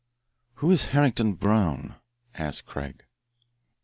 "Who is Harrington Brown" asked Craig.